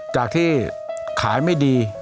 จากที่ขายไม่ดี